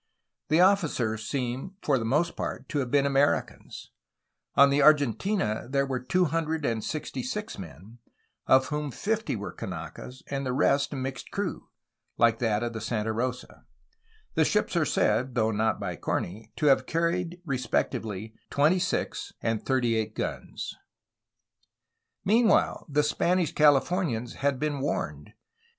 The officers seem for the most part to have been Americans. On the Argentina there were two hundred and sixty six men, of whom fifty were Kanakas, and the rest a mixed crew, like that of the Santa Rosa. The ships are said (though not by Corney) to have carried re spectively twenty six and thirty eight guns. ERA OF THE WARS OF INDEPENDENCE, 1810 1822 443 Meanwhile, the Spanish Californians had been warned.